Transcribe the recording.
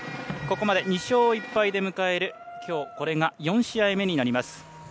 ここまで２勝１敗で迎えるきょう、これが４試合目になります。